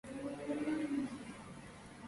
იგი სპეციალობით ლითონის ჩამომსხმელი იყო.